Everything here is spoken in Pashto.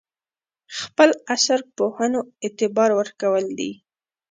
خپل عصر پوهنو اعتبار ورکول دي.